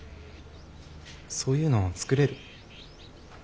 そういうの作れる？